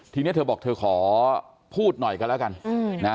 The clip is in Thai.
ทีนี้เธอบอกเธอขอพูดหน่อยกันแล้วกันนะ